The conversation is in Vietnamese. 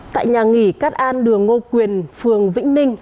tại nhà nghỉ cát an đường ngô quyền phường vĩnh ninh